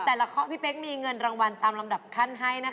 แต่ละข้อพี่เป๊กมีเงินรางวัลตามลำดับขั้นให้นะคะ